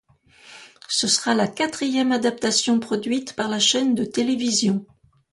Ce sera la quatrième adaptation produite par la chaîne de télévision.